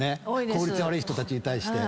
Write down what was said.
効率が悪い人たちに対して。